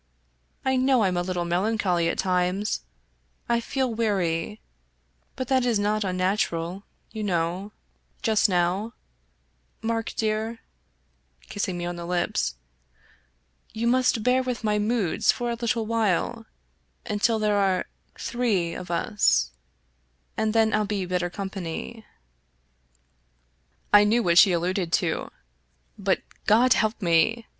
I know Fm a little melancholy at times — I feel weary ; but that is not unnatural, you know, just now, Mark dear" — kissing me on the lips —" you must bear with my moods for a little while, until there are three of us, and then I'll be better company." I knew what she alluded to, but, God help me!